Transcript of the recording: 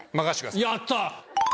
やった！